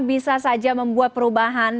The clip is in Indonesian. bisa saja membuat perubahan